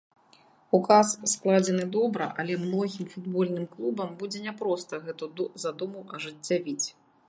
Указ складзены добра, але многім футбольным клубам будзе няпроста гэту задуму ажыццявіць.